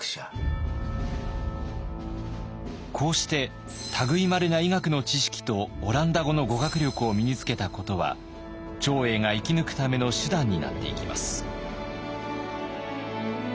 こうして類いまれな医学の知識とオランダ語の語学力を身につけたことは長英が生き抜くための手段になっていきます。